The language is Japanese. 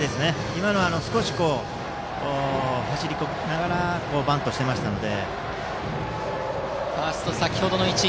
今のは少し差し込みながらバントをしていましたから。